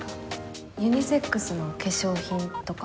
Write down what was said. ユニセックスの化粧品とか？